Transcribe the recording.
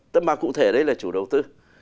tâm bạc cụ thể đây là chủ đầu tư